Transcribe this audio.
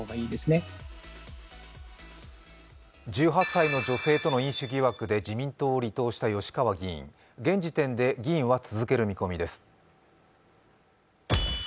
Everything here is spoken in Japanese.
１８歳の女性との飲酒疑惑で自民党を離党した吉川議員、現時点で議員は続ける見込みです。